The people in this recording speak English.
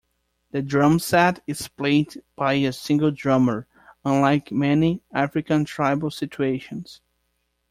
The drumset is played by a single drummer, unlike many African tribal situations.